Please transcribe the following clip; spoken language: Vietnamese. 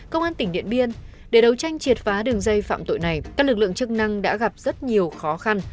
công an tỉnh điện biên để đấu tranh triệt phá đường dây phạm tội này các lực lượng chức năng đã gặp rất nhiều khó khăn